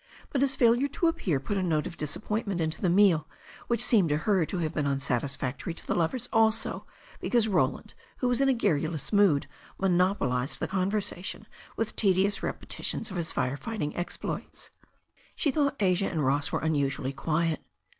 But his failure to appear had put a note of disap pointment into the meal, which seemed to her to have been unsatisfactory to the lovers also, because Roland, who was in a garrulous mood, monopolized the conversation with tedious repetitions of his fire fighting exploits. She thought Asia and Ross were unusually quiet.